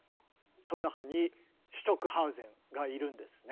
その中にシュトックハウゼンがいるんですね。